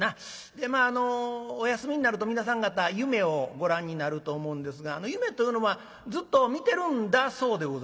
でまあお休みになると皆さん方夢をご覧になると思うんですが夢というのはずっと見てるんだそうでございます。